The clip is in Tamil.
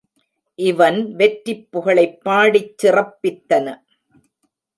இவன் வெற்றிப் புகழைப் பாடிச் சிறப்பித்தன.